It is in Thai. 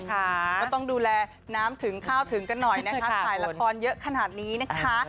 ก็ตรงดูแลน้ำถึงข้าวถึงก็หน่อยนะครับขี่ละครับตอนเหลือขนาดนี้นะครับ